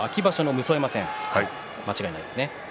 武双山戦、間違いないですね。